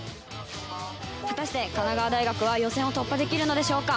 果たして、神奈川大学は予選を突破できるのでしょうか。